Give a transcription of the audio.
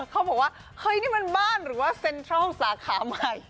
เขาบอกว่าเฮ้ยนี่มันบ้านหรือว่าเซ็นทรัลสาขาใหม่